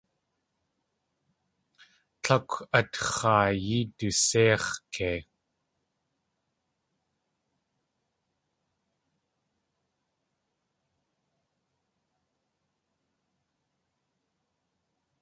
Tlákw at x̲aayí du séix̲ kei.